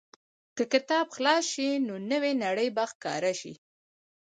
که کتاب خلاص شي، نو نوې نړۍ به ښکاره شي.